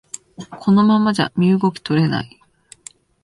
このままじゃ身動き取れない